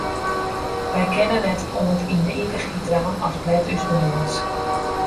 Wy kinne net oant yn de ivichheid dwaan as blet ús de noas.